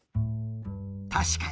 たしかに！